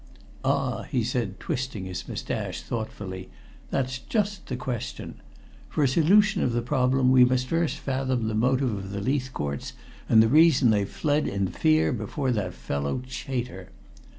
"Ah!" he said, twisting his mustache thoughtfully. "That's just the question. For a solution of the problem we must first fathom the motive of the Leithcourts and the reason they fled in fear before that fellow Chater.